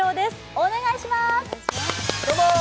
お願いします。